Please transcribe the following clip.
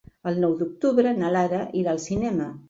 El nou d'octubre na Lara irà al cinema.